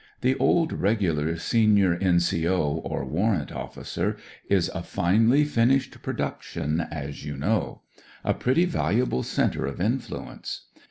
The old Regular senior N.C.O. or warrant officer is a finely finished production, as you know; a pretty valuable centre of influ ence.